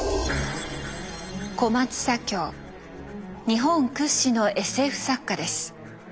日本屈指のＳＦ作家です。